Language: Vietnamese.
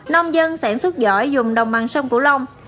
nông dân sản xuất giỏi dùng đồng bằng sông cửu long